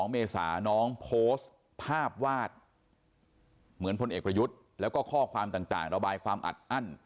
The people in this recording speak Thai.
เมษาน้องโพสต์ภาพวาดเหมือนพลเอกประยุทธ์แล้วก็ข้อความต่างระบายความอัดอั้น